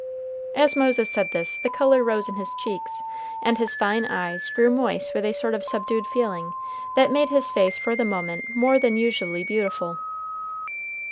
As Moses said this, the color rose in his cheeks, and his fine eyes grew moist with a sort of subdued feeling that made his face for the moment more than usually beautiful.